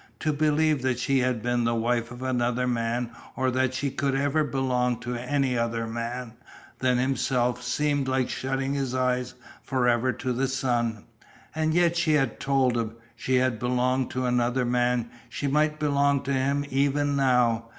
To believe that she had been the wife of another man or that she could ever belong to any other man than himself seemed like shutting his eyes forever to the sun. And yet she had told him. She had belonged to another man; she might belong to him even now.